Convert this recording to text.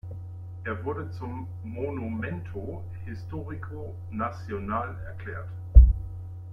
Er wurde zum Monumento Histórico Nacional erklärt.